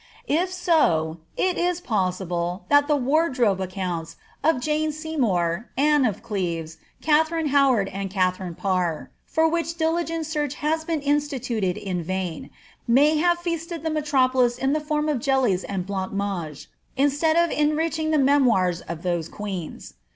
If so, it is possible that the wardrobe accounts of Jane Seymour, Anne of Cleves, Katharine Howard, and Katharine Parr, for which diligent search has been insti tuted in vain, may have feasted the metropolis in the form of jellies and blancmange, instead of enriching the memoirs of those queens.